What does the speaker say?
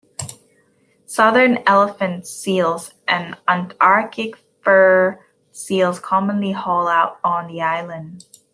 Southern elephant seals and Antarctic fur seals commonly haul out on the island.